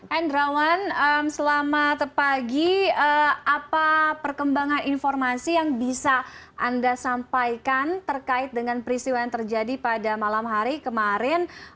endrawan selamat pagi apa perkembangan informasi yang bisa anda sampaikan terkait dengan peristiwa yang terjadi pada malam hari kemarin